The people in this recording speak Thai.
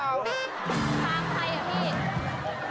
ตามใครอ่ะพี่